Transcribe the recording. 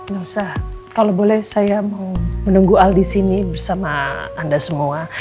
gak usah kalau boleh saya mau menunggu aldi sini bersama anda semua